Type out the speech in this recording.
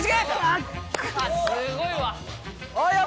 すごいわ。